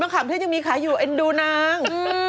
มะขามเทศยังมีขายูเอ็นดูนาง